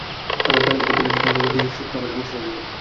তারপর পানি থেকে তুলে কিচেন পেপার দিয়ে মুছে শুকনা করে নিতে হবে।